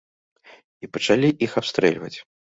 І пачалі іх абстрэльваць.